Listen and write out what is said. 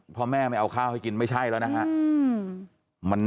พ่อแม่ไม่เอาข้าวให้กินไม่ใช่แล้วนะฮะ